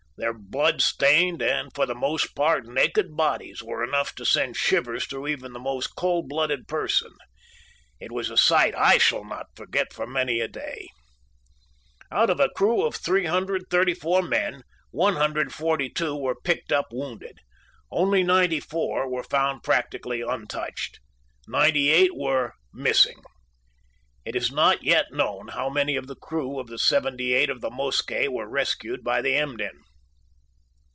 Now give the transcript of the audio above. Their blood stained and, for the most part, naked bodies were enough to send shivers through even the most cold blooded person. It was a sight I shall not forget for many a day. Out of a crew of 334 men 142 were picked up wounded. Only 94 were found practically untouched. Ninety eight were "missing." It is not yet known how many of the crew of the 78 of the Mosquet were rescued by the Emden.